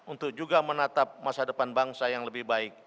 untuk juga menatap masa depan bangsa yang lebih baik